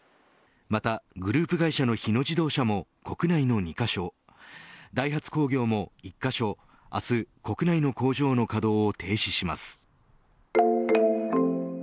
またグループ会社の日野自動車も国内の２カ所ダイハツ工業も１カ所明日、国内の工場の稼働を停止します。